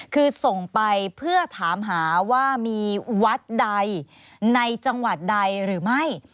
คือส่งไปเพื่อถามหาว่ามีวัดใดในจังหวัดใดหรือไม่